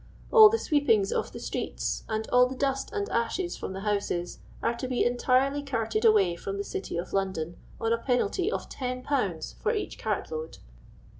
'' All the sweepings of the Streets, and all the dust and ashes from the Houses, are to be entirely carted away from the City of London, on a Penalty of Ten Pounds for each cart load."